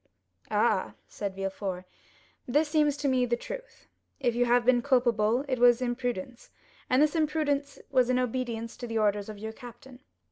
"Ah," said Villefort, "this seems to me the truth. If you have been culpable, it was imprudence, and this imprudence was in obedience to the orders of your captain.